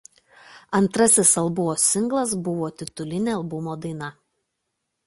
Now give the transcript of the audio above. Antrasis albumo singlas buvo titulinė albumo daina.